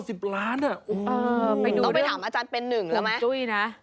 ต้องไปถามอาจารย์เป็นหนึ่งแล้วไหมจุ้ยนะ